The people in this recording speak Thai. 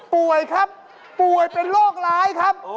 ป่วยครับป่วยเป็นโรคร้ายครับ